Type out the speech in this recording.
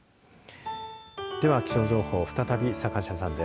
では気象情報再び坂下さんです。